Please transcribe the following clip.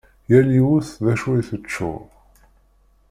Yal yiwet d acu i d-teččur.